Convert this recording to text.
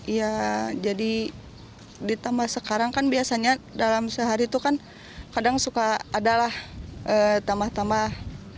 ya jadi ditambah sekarang kan biasanya dalam sehari itu kan kadang suka adalah tambah tambah